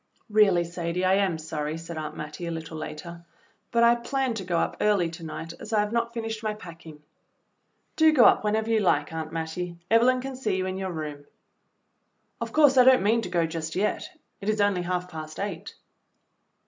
"Really, Sadie, I am sorry," said Aunt Mattie, a little later, "but I planned to go up early to night, as I have not finished my packing." "Do go up whenever you like, Aunt Mattie. Eve lyn can see you in your room." "Of course I don't mean to go just yet, it is only half past eight."